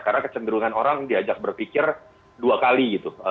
karena kecenderungan orang diajak berpikir dua kali gitu